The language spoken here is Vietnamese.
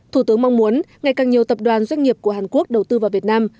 thủ tướng mong muốn ngày càng nhiều tập đoàn doanh nghiệp của hàn quốc đầu tư vào việt nam